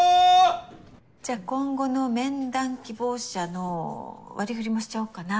じゃあ今後の面談希望者の割り振りもしちゃおっかな。